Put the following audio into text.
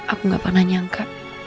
aku gak pernah nyangka